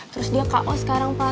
terus dia kok sekarang pak